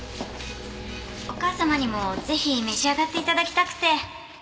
お母様にもぜひ召し上がって頂きたくて。